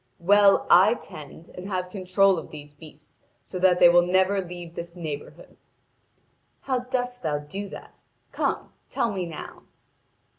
'Well, I tend and have control of these beasts so that they will never leave this neighbourhood.' 'How dost thou do that? Come, tell me now!'